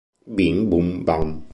Bim bum bam